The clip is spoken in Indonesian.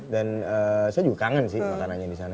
dan saya juga kangen sih makanannya disana